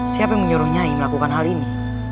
siapa yang menyuruh nyai melakukan hal ini